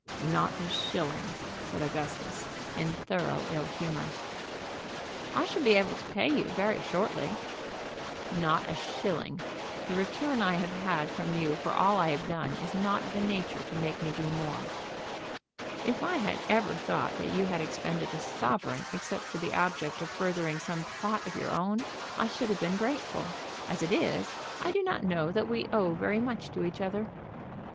"Not a shilling," said Augustus, in thorough ill humor. "I shall be able to pay you very shortly." "Not a shilling. The return I have had from you for all that I have done is not of a nature to make me do more." "If I had ever thought that you had expended a sovereign except for the object of furthering some plot of your own, I should have been grateful. As it is I do not know that we owe very much to each other."